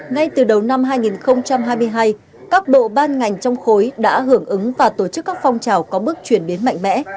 ngay từ đầu năm hai nghìn hai mươi hai các bộ ban ngành trong khối đã hưởng ứng và tổ chức các phong trào có bước chuyển biến mạnh mẽ